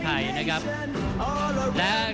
ท่านแรกครับจันทรุ่ม